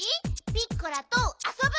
ピッコラとあそぶ？